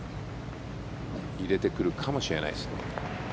入れてくるかもしれないです。